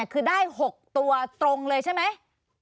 คือได้๖ตัวตรงเลยใช่ไหม